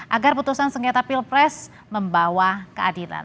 agar putusan sengketa pilpres membawa keadilan